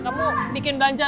kamu bikin belanja